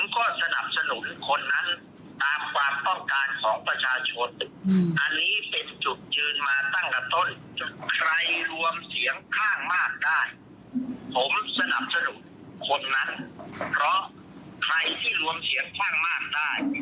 คนนั้นเพราะใครที่รวมเถียงกว้างมากได้